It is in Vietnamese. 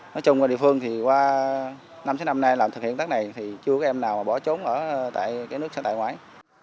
nói chung là địa phương thì qua năm sáu năm nay làm thực hiện tác này thì chưa có em nào bỏ trốn ở cái nước xã tại ngoài